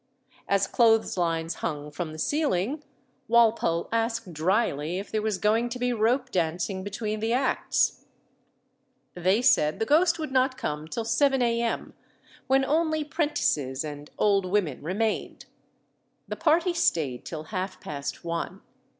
As clothes lines hung from the ceiling, Walpole asked drily if there was going to be rope dancing between the acts. They said the ghost would not come till 7 A.M., when only 'prentices and old women remained. The party stayed till half past one.